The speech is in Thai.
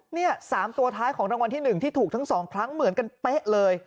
นี่๓ตัวท้ายของรางวัลที่๑ที่ถูกทั้ง๒ครั้งเหมือนกันเป๊ะเลย